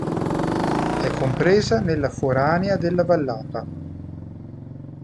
È compresa nella forania della Vallata.